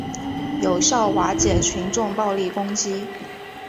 有效瓦解群众暴力攻击